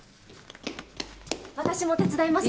私も手伝います。